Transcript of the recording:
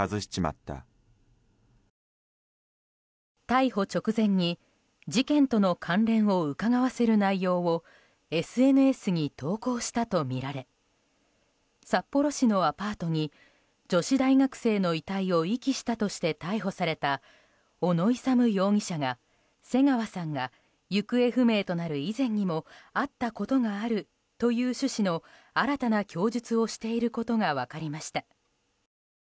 逮捕直前に事件との関連をうかがわせる内容をＳＮＳに投稿したとみられ札幌市のアパートに女子大学生の遺体を遺棄したとして逮捕された小野勇容疑者が瀬川さんが行方不明となる以前にも会ったことがあるという趣旨の新たな供述をしていることが分かりました。